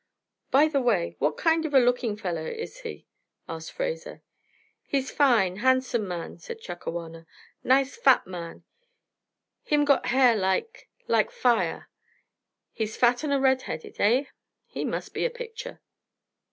"By the way, what kind of a looking feller is he?" asked Fraser. "He's fine, han'some man," said Chakawana. "Nice fat man. Him got hair like like fire." "He's fat and red headed, eh? He must be a picture."